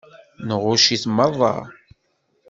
Nɣucc-it meṛṛa.